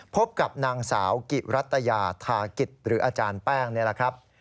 พบกับนางสาวกิรัตยาธากิจหรืออาจารย์แป้งนี่แหละครับ